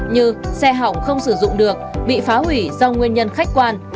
như xe hỏng không sử dụng được bị phá hủy do nguyên nhân khách quan